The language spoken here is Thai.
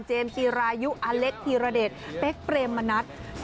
เจมส์ตีรายุอเล็กตีระเด็ดเป๊กเปรมมณัฐ